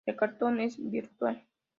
El cartón es virtual.